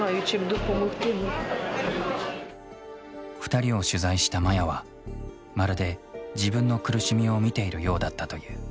２人を取材したマヤはまるで自分の苦しみを見ているようだったと言う。